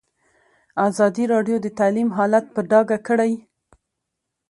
ازادي راډیو د تعلیم حالت په ډاګه کړی.